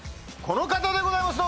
この方でございます